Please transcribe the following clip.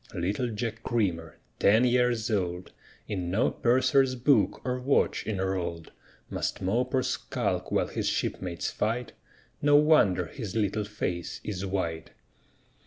Little Jack Creamer, ten years old, In no purser's book or watch enrolled, Must mope or skulk while his shipmates fight, No wonder his little face is white!